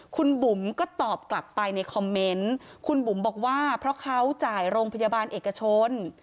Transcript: คุณบุ๋มก็ตอบกลับไปในคอมเมนต์คุณบุ๋มบอกว่าเพราะเขาจ่ายโรงพยาบาลเอกชน